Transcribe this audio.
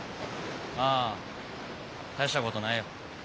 あ大したことないよ。